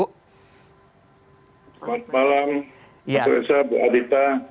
selamat malam mas resa bu adhita